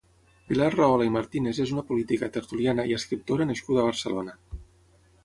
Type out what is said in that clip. Pilar Rahola i Martínez és una política, tertuliana i escriptora nascuda a Barcelona.